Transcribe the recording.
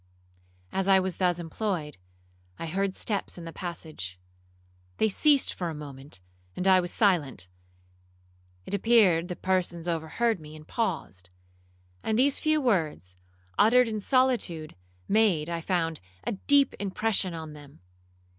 As I was thus employed, I heard steps in the passage. They ceased for a moment, and I was silent. It appeared the persons overheard me, and paused; and these few words, uttered in solitude, made, I found, a deep impression on them.